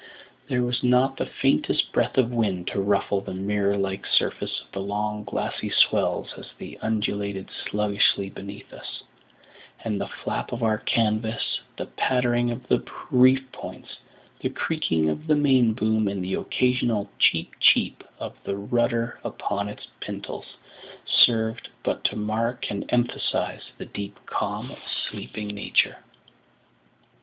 There was not the faintest breath of wind to ruffle the mirror like surface of the long glassy swells as they undulated sluggishly beneath us; and the flap of our canvas, the pattering of the reef points, the creaking of the main boom, and the occasional "cheep, cheep" of the rudder upon its pintles, served but to mark and emphasise the deep calm of sleeping Nature.